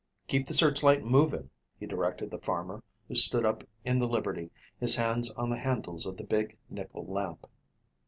"Keep the searchlight moving," he directed the farmer, who stood up in the Liberty, his hands on the handles of the big, nickel lamp.